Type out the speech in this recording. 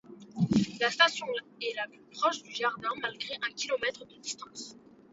La station est la plus proche du jardin malgré un kilomètre de distance.